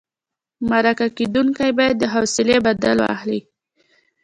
مرکه کېدونکی باید د حوصلې بدل واخلي.